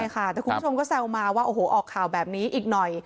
คุณผู้ชมก็แซวมาว่าออกข่าวแบบนี้อีกหน่อย